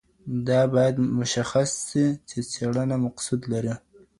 دا باید مشخص سي چي څېړنه مقصود لري.